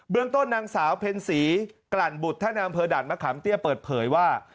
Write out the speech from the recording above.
ต้นนางสาวเพ็ญศรีกลั่นบุตรท่านอำเภอด่านมะขามเตี้ยเปิดเผยว่า